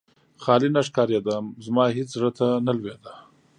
خالي نه ښکارېده، زما هېڅ زړه ته نه لوېده.